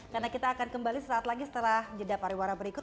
karena kita akan kembali setelah jeda pariwara berikut